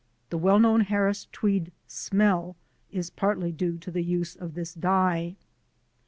The well known Harris tweed smell is partly due to the use of this dye.